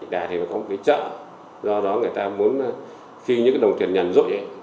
đã thì có một cái chợ do đó người ta muốn khi những đồng tiền nhận rỗi